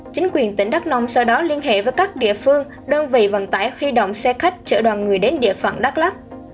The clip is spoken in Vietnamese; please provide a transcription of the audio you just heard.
chính quyền tỉnh đắk nông sau đó liên hệ với các địa phương đơn vị vận tải huy động xe khách chở đoàn người đến địa phận đắk lắc